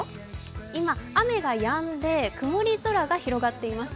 今、雨がやんで曇り空が広がっています。